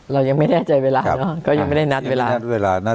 เราไม่แน่ใจเวลาเนอะเค้าไม่ได้นัดเวลานี้